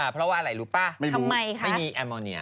เพราะว่าอะไรรู้ป่ะไม่มีแอลโมเนีย